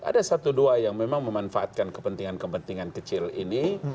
ada satu dua yang memang memanfaatkan kepentingan kepentingan kecil ini